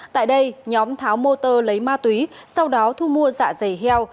tại đây nhóm tháo mô tơ lấy ma túy sau đó thu mua dạ dày heo